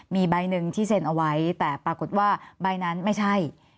มีใบหนึ่งที่เซ็นเอาไว้แต่ปรากฏว่าใบนั้นไม่ใช่